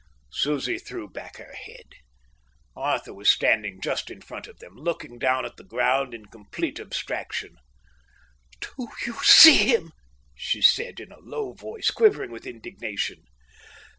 Susie threw back her head. Arthur was standing just in front of them looking down at the ground in complete abstraction. "Do you see him?" she said, in a low voice quivering with indignation.